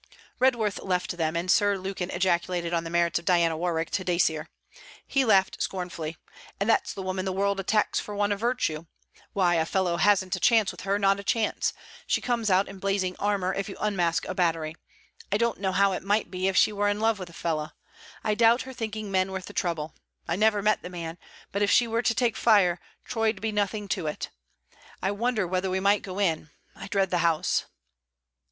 Redworth left them, and Sir Lukin ejaculated on the merits of Diana Warwick to Dacier. He laughed scornfully: 'And that's the woman the world attacks for want of virtue! Why, a fellow hasn't a chance with her, not a chance. She comes out in blazing armour if you unmask a battery. I don't know how it might be if she were in love with a fellow. I doubt her thinking men worth the trouble. I never met the man. But if she were to take fire, Troy 'd be nothing to it. I wonder whether we might go in: I dread the house.'